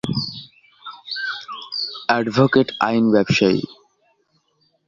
Advocate আইন ব্যবসায়ী।